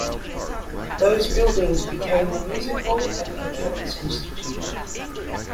Those buildings became the Music Hall and the Mechanics' Institute.